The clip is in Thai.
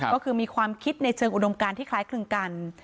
ก็คือมีความคิดในเชิงอุดมการที่คล้ายคลึงกัน